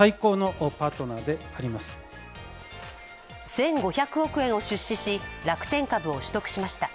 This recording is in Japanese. １５００億円を出資し、楽天株を取得しました。